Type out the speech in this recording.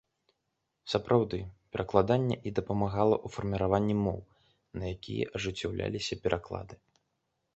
Сапраўды, перакладанне і дапамагала ў фарміраванні моў, на якія ажыццяўляліся пераклады.